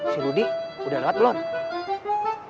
si rudi udah lewat belum